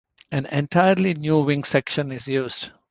An entirely new wing section is used.